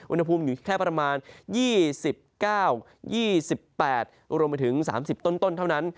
อุณหภูมิอยู่ที่แค่ประมาณ๒๙๒๘รวมไปถึง๓๐ต้นเท่านั้น